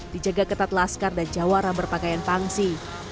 dijaga ketat laskar dan jawara berpakaian pangsi